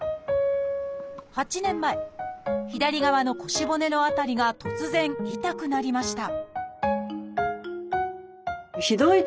８年前左側の腰骨の辺りが突然痛くなりました